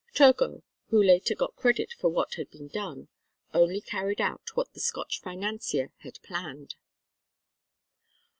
Turgot, who later got credit for what had been done, only carried out what the Scotch financier had planned.